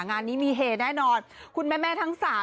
งานนี้มีเฮแน่นอนคุณแม่ทั้งสาม